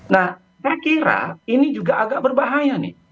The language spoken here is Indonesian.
nah saya kira ini juga agak berbahaya nih